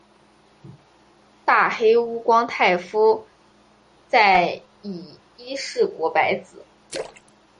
大黑屋光太夫在以伊势国白子。